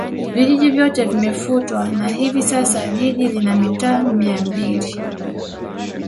vijiji vyote vimefutwa na hivi sasa jiji lina mitaa mia mbili